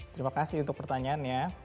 terima kasih untuk pertanyaannya